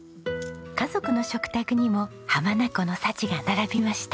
家族の食卓にも浜名湖の幸が並びました。